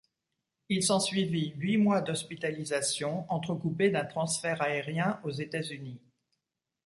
Il s’ensuivit huit mois d’hospitalisation entrecoupés d’un transfert aérien aux États-Unis.